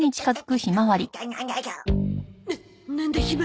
ななんだ？ひま